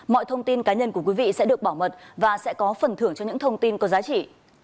mọi thông tin cá nhân của quý vị sẽ được bảo mật và sẽ có phần thưởng cho những thông tin có giá trị